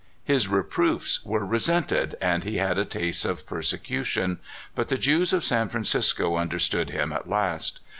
His reproofs were resented, and he had a taste of persecution ; but the Jews of San Fran cisco understood him at last.